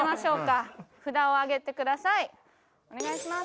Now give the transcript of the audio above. お願いします。